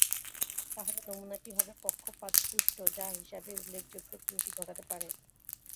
তাহলে নমুনাটি হবে পক্ষপাতদুষ্ট যা হিসাবে উল্লেখযোগ্য ত্রুটি ঘটাতে পারে।